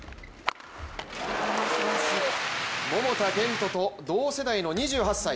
桃田賢斗と同世代の２８歳。